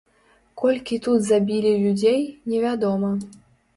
Колькі тут забілі людзей, невядома.